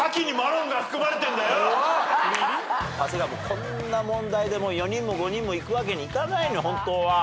長谷川こんな問題で４人も５人もいくわけにいかないの本当は。